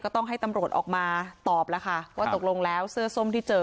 ต้องให้ตำรวจออกมาตอบแล้วค่ะว่าตกลงแล้วเสื้อส้มที่เจอ